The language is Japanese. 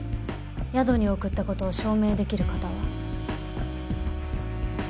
宿に送ったことを証明できる方は？